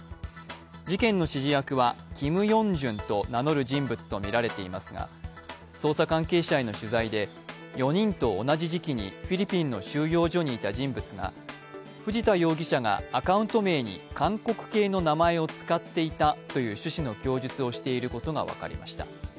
事件の指示役はＫｉｍＹｏｕｎｇ−ｊｕｎと名乗る人物とみられていますが、捜査関係者への取材で４人と同じ時期にフィリピンの収容所にいた人物が藤田容疑者がアカウント名に韓国系の名前を使っていたという趣旨の供述をしていることが分かりました。